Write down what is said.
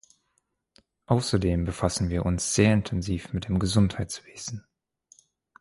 Außerdem befassen wir uns sehr intensiv mit dem Gesundheitswesen.